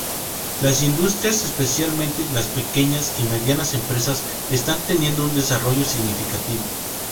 Las industrias, especialmente las pequeñas y medianas empresas, están teniendo un desarrollo significativo.